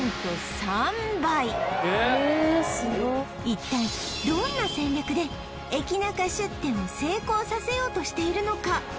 一体どんな戦略で駅ナカ出店を成功させようとしているのか？